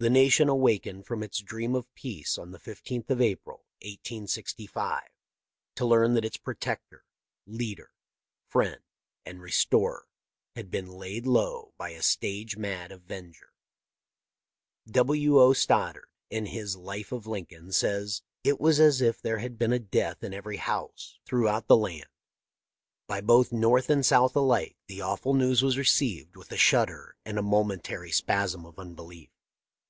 The nation awakened from its dream of peace on the 15th of April, 1865, to learn that its protector, leader, friend, and restorer had been laid low by a stage mad 'avenger.' W. O. Stod dard, in his ' Life of Lincoln,' says :' It was as if there had been a death in every house throughout Washington— The Peterson House THE LIFE OF LINCOLN: 569 the land. By both North and South alike the awful news was received with a shudder and a momentary spasm of unbelief.